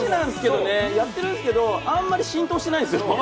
やってるんですけど、あまり浸透しないんですよ。